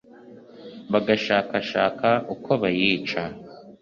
bagashakashaka uko bayica